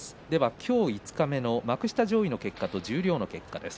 今日五日目、幕下上位の結果と十両の結果です。